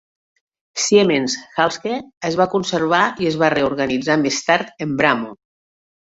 Siemens-Halske es va conservar i es va reorganitzar més tard en Bramo.